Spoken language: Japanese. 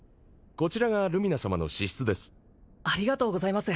こちらがルミナ様の私室ですありがとうございます